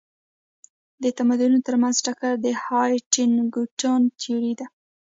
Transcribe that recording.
د تمدنونو ترمنځ ټکر د هانټینګټون تيوري ده.